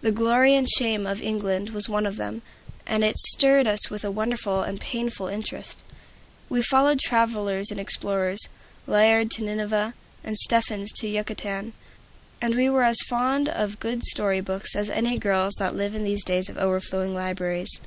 "The Glory and Shame of England" was one of them, and it stirred us with a wonderful and painful interest. We followed travelers and explorers, Layard to Nineveh, and Stephens to Yucatan. And we were as fond of good story books as any girls that live in these days of overflowing libraries.